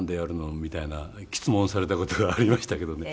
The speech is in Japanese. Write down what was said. みたいな詰問された事がありましたけどね。